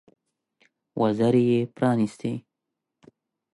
وزرې یې پرانيستې.